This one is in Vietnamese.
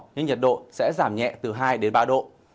nhưng nhiệt độ sẽ giảm nhẹ từ hai đến ba độ